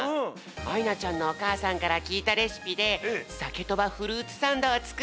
あいなちゃんのおかあさんからきいたレシピでサケとばフルーツサンドをつくってみたよ。